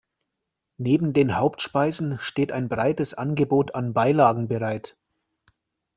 Neben den Hauptspeisen steht ein breites Angebot an Beilagen bereit.